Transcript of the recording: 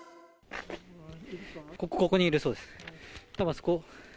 ここにいるそうです。